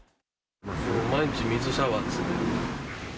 毎日水シャワーですね。